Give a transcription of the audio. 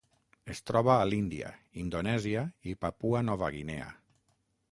Es troba a l'Índia, Indonèsia i Papua Nova Guinea.